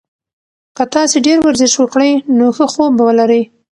که تاسي ډېر ورزش وکړئ نو ښه خوب به ولرئ.